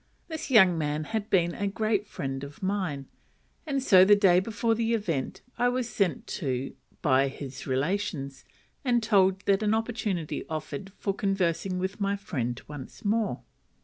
This young man had been a great friend of mine; and so, the day before the event, I was sent to by his relations, and told that an opportunity offered of conversing with my friend once more.